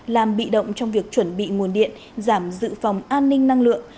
làm bị động trong việc chuẩn bị nguồn điện giảm dự phòng an ninh năng lượng